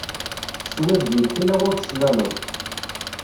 Teswiḍ di lḥila ur teslaleḍ.